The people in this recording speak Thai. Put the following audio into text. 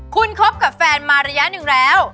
คุณคบกับแฟนมาระยะหนึ่งแล้ว